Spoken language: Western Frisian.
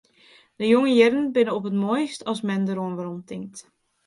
De jonge jierren binne op it moaist as men deroan weromtinkt.